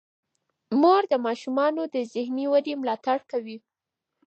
مور د ماشومانو د ذهني ودې ملاتړ کوي.